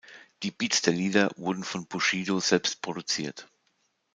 Die Beats der Lieder wurden von Bushido selbst produziert.